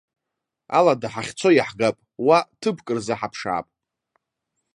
Алада ҳахьцо иаҳгап, уа ҭыԥк рзаҳаԥшаап.